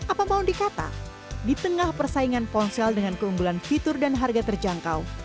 apa mau dikata di tengah persaingan ponsel dengan keunggulan fitur dan harga terjangkau